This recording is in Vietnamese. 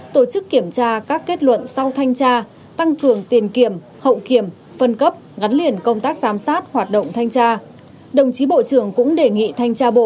tổ chức kiểm tra các kết luận sau thanh tra tăng cường tiền kiểm hậu kiểm phân cấp gắn liền công tác giám sát hoạt động thanh tra